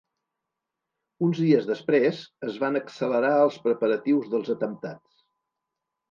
Uns dies després, es van accelerar els preparatius dels atemptats.